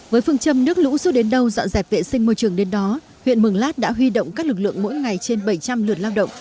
với phương châm nước lũ rút đến đâu dọn dẹp vệ sinh môi trường đến đó huyện mường lát đã huy động các lực lượng mỗi ngày trên bảy trăm linh lượt lao động